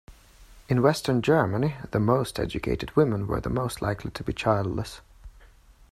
In western Germany the most educated women were the most likely to be childless.